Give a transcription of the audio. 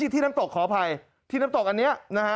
ที่น้ำตกขออภัยที่น้ำตกอันนี้นะฮะ